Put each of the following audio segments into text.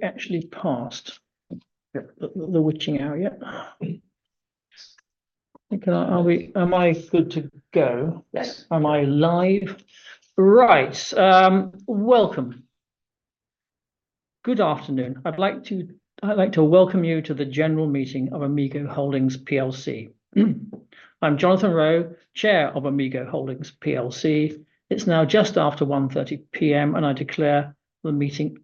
We actually passed the witching hour, yeah? I think, are we, am I good to go? Yes. Am I live? Right, welcome. Good afternoon. I'd like to, I'd like to welcome you to the general meeting of Amigo Holdings PLC. I'm Jonathan Roe, Chair of Amigo Holdings PLC. It's now just after 1:30 P.M., and I declare the meeting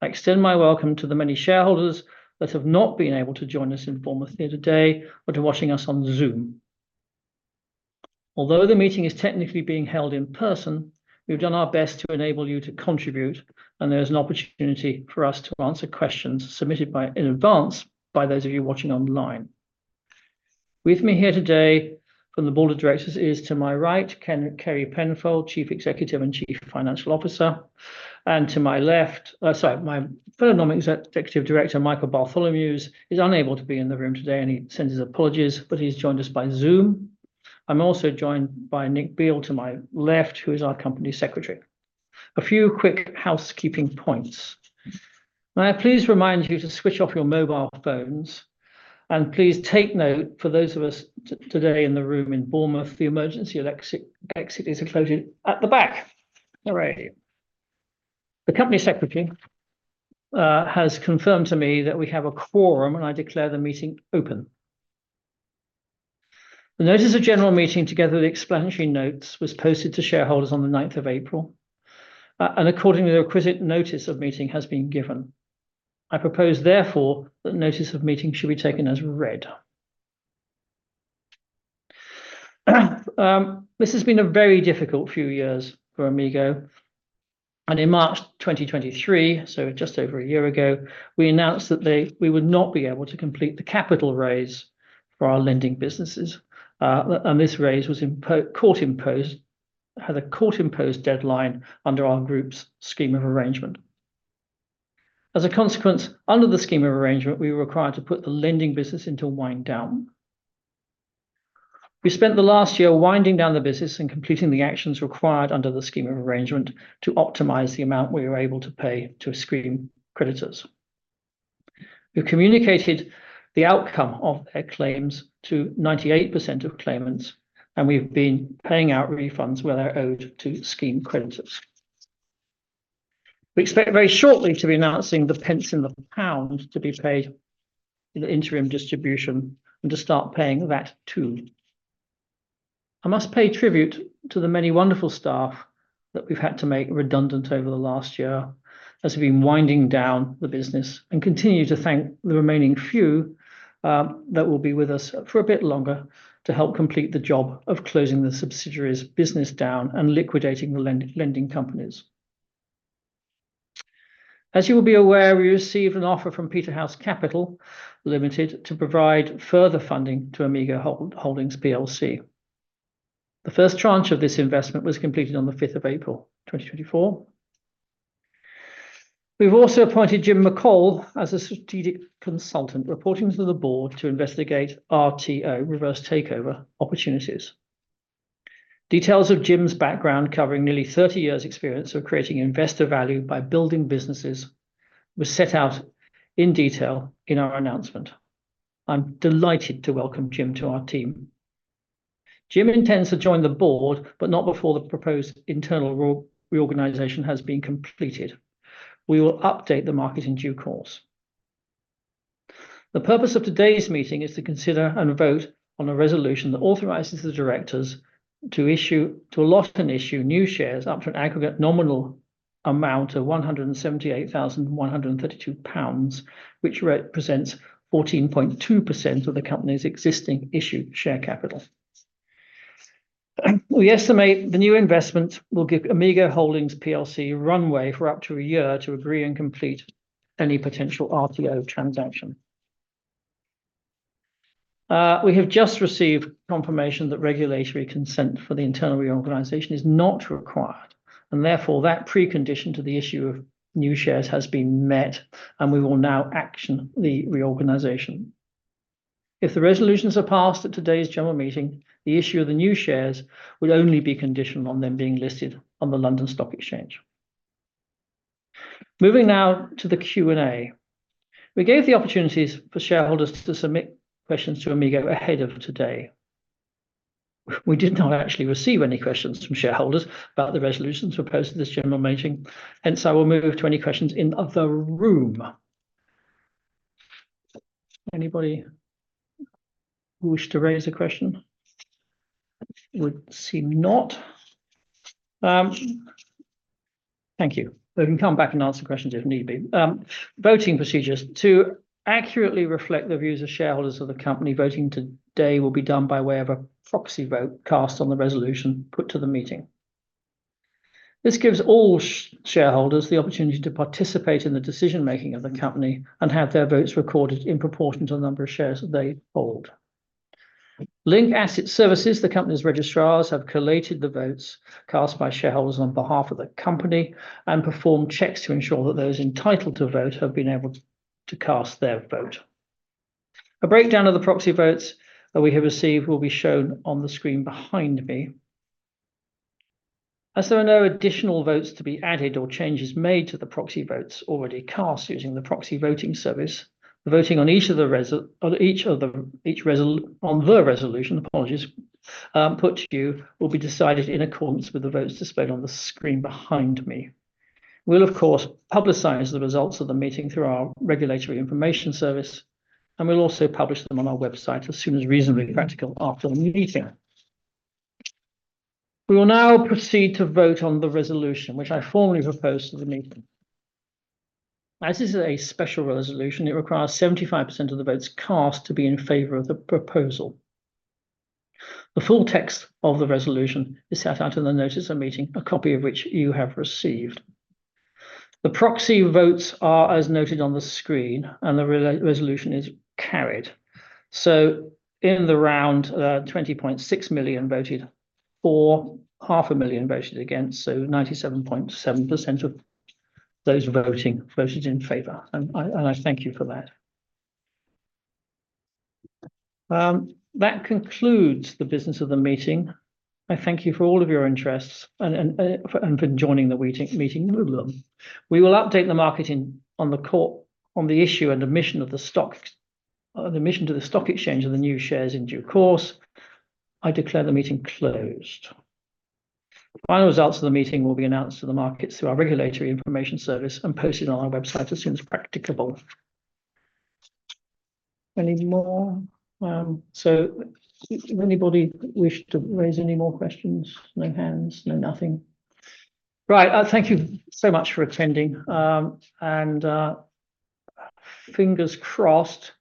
open. I extend my welcome to the many shareholders that have not been able to join us in Bournemouth here today or to watching us on Zoom. Although the meeting is technically being held in person, we've done our best to enable you to contribute, and there's an opportunity for us to answer questions submitted by, in advance by those of you watching online. With me here today from the board of directors is, to my right, Kerry Penfold, Chief Executive and Chief Financial Officer, and to my left... Sorry, my Financial Executive Director, Michael Bartholomeusz, is unable to be in the room today, and he sends his apologies, but he's joined us by Zoom. I'm also joined by Nick Beal to my left, who is our company secretary. A few quick housekeeping points. May I please remind you to switch off your mobile phones, and please take note, for those of us today in the room in Bournemouth, the emergency exit is enclosed at the back. All right. The company secretary has confirmed to me that we have a quorum, and I declare the meeting open. The notice of general meeting together with explanatory notes was posted to shareholders on the ninth of April, and accordingly, the requisite notice of meeting has been given. I propose, therefore, that notice of meeting should be taken as read. This has been a very difficult few years for Amigo, and in March 2023, so just over a year ago, we announced that we would not be able to complete the capital raise for our lending businesses. And this raise was court-imposed, had a court-imposed deadline under our group's scheme of arrangement. As a consequence, under the scheme of arrangement, we were required to put the lending business into wind down. We spent the last year winding down the business and completing the actions required under the scheme of arrangement to optimize the amount we were able to pay to scheme creditors. We communicated the outcome of their claims to 98% of claimants, and we've been paying out refunds where they're owed to scheme creditors. We expect very shortly to be announcing the pence in the pound to be paid in the interim distribution, and to start paying that too. I must pay tribute to the many wonderful staff that we've had to make redundant over the last year, as we've been winding down the business, and continue to thank the remaining few that will be with us for a bit longer to help complete the job of closing the subsidiaries business down and liquidating the lending companies. As you will be aware, we received an offer from Peterhouse Capital Limited to provide further funding to Amigo Holdings PLC. The first tranche of this investment was completed on the 5th April 2024. We've also appointed Jim McColl as a strategic consultant, reporting to the board to investigate RTO, reverse takeover, opportunities. Details of Jim's background, covering nearly 30 years' experience of creating investor value by building businesses, was set out in detail in our announcement. I'm delighted to welcome Jim to our team. Jim intends to join the board, but not before the proposed internal reorganization has been completed. We will update the market in due course. The purpose of today's meeting is to consider and vote on a resolution that authorizes the directors to issue... to allot and issue new shares up to an aggregate nominal amount of 178,132 pounds, which represents 14.2% of the company's existing issued share capital. We estimate the new investment will give Amigo Holdings PLC runway for up to a year to agree and complete any potential RTO transaction. We have just received confirmation that regulatory consent for the internal reorganization is not required, and therefore, that precondition to the issue of new shares has been met, and we will now action the reorganization. If the resolutions are passed at today's general meeting, the issue of the new shares will only be conditional on them being listed on the London Stock Exchange. Moving now to the Q&A. We gave the opportunities for shareholders to submit questions to Amigo ahead of today. We did not actually receive any questions from shareholders about the resolutions proposed at this general meeting, hence I will move to any questions in the room. Anybody who wish to raise a question? It would seem not. Thank you. We can come back and answer questions if need be. Voting procedures. To accurately reflect the views of shareholders of the company, voting today will be done by way of a proxy vote cast on the resolution put to the meeting. This gives all shareholders the opportunity to participate in the decision-making of the company and have their votes recorded in proportion to the number of shares they hold. Link Asset Services, the company's registrars, have collated the votes cast by shareholders on behalf of the company and performed checks to ensure that those entitled to vote have been able to cast their vote. A breakdown of the proxy votes that we have received will be shown on the screen behind me. As there are no additional votes to be added or changes made to the proxy votes already cast using the proxy voting service, the voting on the resolution, apologies, put to you, will be decided in accordance with the votes displayed on the screen behind me. We'll, of course, publicize the results of the meeting through our Regulatory Information Service, and we'll also publish them on our website as soon as reasonably practical after the meeting. We will now proceed to vote on the resolution, which I formally propose to the meeting. As this is a special resolution, it requires 75% of the votes cast to be in favor of the proposal. The full text of the resolution is set out in the notice of meeting, a copy of which you have received. The proxy votes are as noted on the screen, and the resolution is carried. So in the round, 20.6 million voted for, 500,000 voted against, so 97.7% of those voting voted in favor, and I thank you for that. That concludes the business of the meeting. I thank you for all of your interests and for joining the meeting. We will update the market on the issue and admission of the stocks, the admission to the Stock Exchange of the new shares in due course. I declare the meeting closed. Final results of the meeting will be announced to the markets through our Regulatory Information Service and posted on our website as soon as practicable. Any more... So if anybody wished to raise any more questions? No hands, no nothing. Right, thank you so much for attending, and fingers crossed,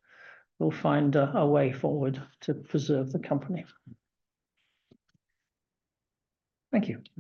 we'll find a way forward to preserve the company. Thank you.